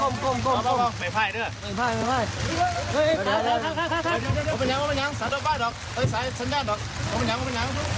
ไม่ไห้เท่าไร